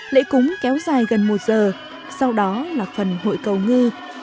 lễ cúng kéo dài gần một giờ sau đó là phần hội cầu ngư